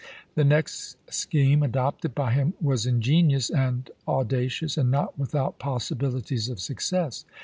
The next scheme adopted by him was ingenious and audacious, and not without possibilities of suc cess.